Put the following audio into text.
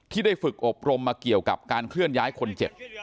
ได้ฝึกอบรมมาเกี่ยวกับการเคลื่อนย้ายคนเจ็บ